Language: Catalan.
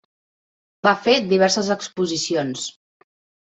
Va fer diverses exposicions.